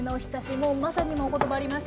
もうまさに今お言葉ありました